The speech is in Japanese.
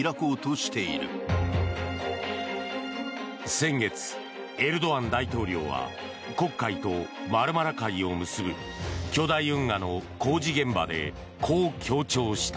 先月、エルドアン大統領は黒海とマルマラ海を結ぶ巨大運河の工事現場でこう強調した。